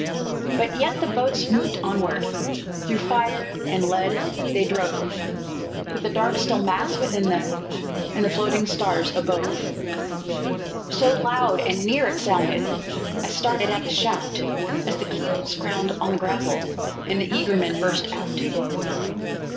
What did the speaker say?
But yet the boats moved onward; Through fire and lead they drove, With the dark, still mass within them, And the floating stars above. So loud and near it sounded, I started at the shout, As the keels ground on the gravel, And the eager men burst out.